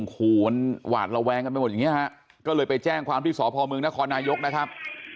เขาไปแจ้งความที่สพมนนายกนะครับ